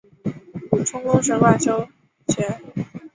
充功臣馆协修。